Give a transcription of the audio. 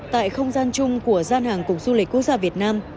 tại không gian chung của gian hàng cục du lịch quốc gia việt nam